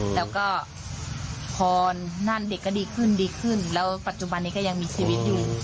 แล้วก็พอนั่นเด็กก็ดีขึ้นดีขึ้นแล้วปัจจุบันนี้ก็ยังมีชีวิตอยู่